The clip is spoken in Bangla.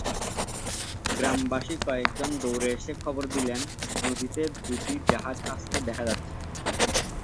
গ্রামবাসী কয়েকজন দৌড়ে এসে খবর দিলেন, নদীতে দুটি জাহাজ আসতে দেখা যাচ্ছে।